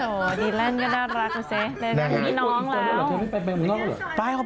โถดีแล้วก็น่ารักดูสิได้พี่น้องแล้ว